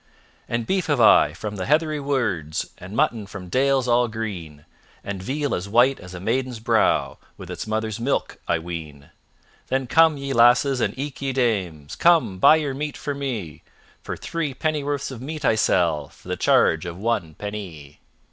"And beef have I from the heathery words, And mutton from dales all green, And veal as white as a maiden's brow, With its mother's milk, I ween. "Then come, ye lasses, and eke ye dames, Come, buy your meat from me, For three pennyworths of meat I sell For the charge of one penny."